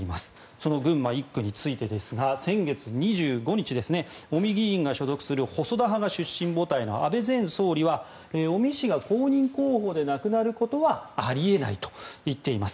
その群馬１区についてですが先月２５日尾身議員が所属する細田派が出身母体の安倍前総理は、尾身氏が公認候補でなくなることはあり得ないと言っています。